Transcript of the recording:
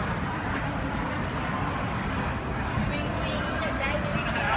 หลักหรือเปล่า